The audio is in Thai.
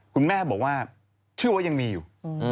คุณแม่บอกว่าเชื่อว่ายังมีอยู่